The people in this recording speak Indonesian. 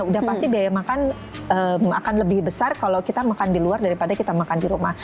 udah pasti biaya makan akan lebih besar kalau kita makan di luar daripada kita makan di rumah